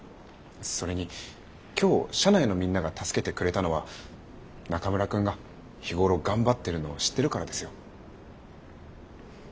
それに今日社内のみんなが助けてくれたのは中村くんが日頃頑張ってるのを知ってるからですよ。